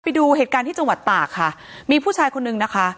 ไปดูเหตุการณ์ที่จังหวัดตากค่ะมีผู้ชายคนนึงนะคะ